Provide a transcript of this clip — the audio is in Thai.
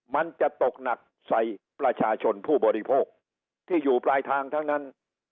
มันจะตกหนักใส่ประชาชนผู้บริโภคที่อยู่ปลายทางทั้งนั้น